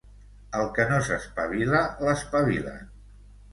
El que no s'espavila, l'espavilen.